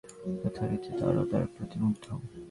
যথারীতি তারাও তার প্রতি মুগ্ধ।